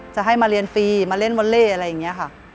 จะให้มาเรียนฟรีมาเล่นวอเล่อะไรอย่างนี้ค่ะ